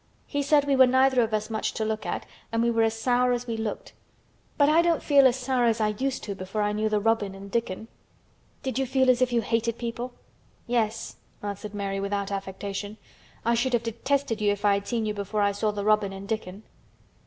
He said we were neither of us much to look at and we were as sour as we looked. But I don't feel as sour as I used to before I knew the robin and Dickon." "Did you feel as if you hated people?" "Yes," answered Mary without any affectation. "I should have detested you if I had seen you before I saw the robin and Dickon."